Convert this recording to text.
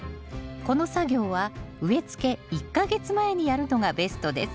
この作業は植えつけ１か月前にやるのがベストです。